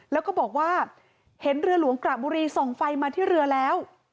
แล้วก็บอกว่าเห็นเรือหลวงกระบุรีส่องไฟมาที่เรือแล้ว